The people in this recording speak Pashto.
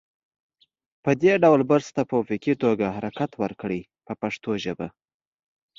په دې ځل برش ته په افقي توګه حرکت ورکړئ په پښتو ژبه.